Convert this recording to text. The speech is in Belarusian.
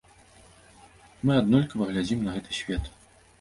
Мы аднолькава глядзім на гэты свет.